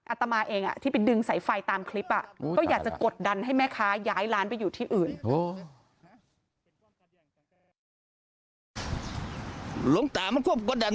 อาตมาเองที่ไปดึงสายไฟตามคลิปก็อยากจะกดดันให้แม่ค้าย้ายร้านไปอยู่ที่อื่น